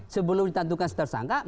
sebelum ditantukan setersangka